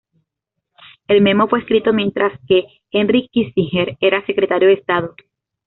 El memo fue escrito mientras que Henry Kissinger era Secretario de Estado.